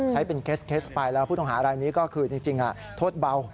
ใช้เป็นเคสไปแล้วผู้ต้องหารายนี้ก็คือจริงโทษเบา